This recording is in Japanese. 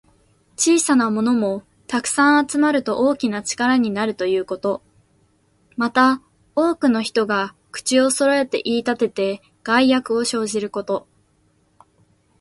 小さなものも、たくさん集まると大きな力になるということ。また、多くの人が口をそろえて言いたてて、害悪を生じること。